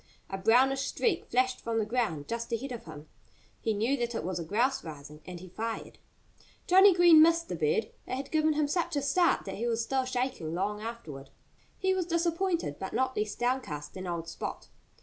A brownish streak flashed from the ground just ahead of him. He knew that it was a grouse rising. And he fired. Johnnie Green missed the bird. It had given him such a start that he was still shaking long afterward. He was disappointed, but not less downcast than old Spot.